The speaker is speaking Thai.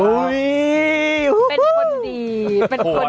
อุ้ยฮู้เป็นคนดีเป็นคนดี